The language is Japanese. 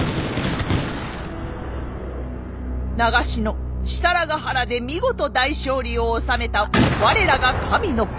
長篠設楽原で見事大勝利を収めた我らが神の君。